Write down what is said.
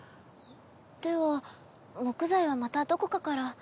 では木材はまたどこかから。